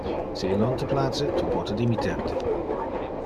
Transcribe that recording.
Si il non te place, tu pote dimitter te.